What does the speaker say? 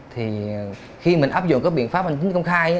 thì khi mình áp dụng các biện pháp an tính công khai